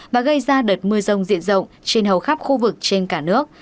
và gây ra đợt mưa rông diện rộng trên hầu khắp khu vực trên cả nước